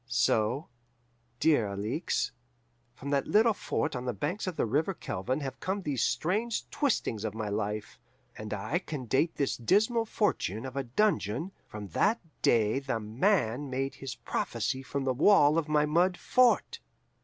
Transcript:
"So, dear Alixe, from that little fort on the banks of the river Kelvin have come these strange twistings of my life, and I can date this dismal fortune of a dungeon from that day The Man made his prophecy from the wall of my mud fort.